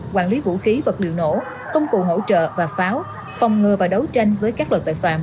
quản lý vũ khí vật liệu nổ công cụ hỗ trợ và pháo phòng ngừa và đấu tranh với các loại tội phạm